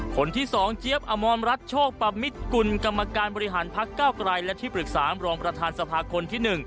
คนที่๒เจี๊ยบอมรรัฐโชคประมิตกุลกรรมการบริหารพักเก้าไกรและที่ปรึกษามรองประธานสภาคนที่๑